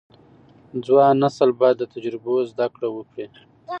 ځوان نسل باید له تجربو زده کړه وکړي.